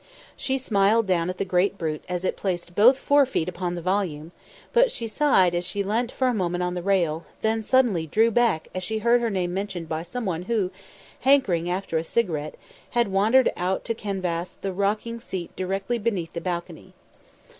She smiled down at the great brute as it placed both forefeet upon the volume, but she sighed as she leant for a moment on the rail, then suddenly drew back as she heard her name mentioned by someone who, hankering after a cigarette, had wandered out to the canvas rocking seat directly beneath the balcony.